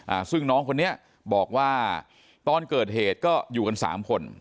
อ่าซึ่งน้องคนนี้บอกว่าตอนเกิดเหตุก็อยู่กันสามคน